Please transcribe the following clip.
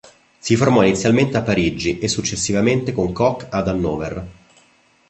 Si formò inizialmente a Parigi e successivamente con Koch ad Hannover.